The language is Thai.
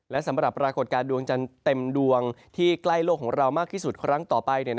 และสำหรับปรากฏการณ์ดวงจันทร์เต็มดวงที่ใกล้โลกของเรามากที่สุดครั้งต่อไป